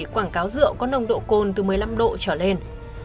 quảng cáo rượu có nồng độ cồn từ một mươi năm độ trở lên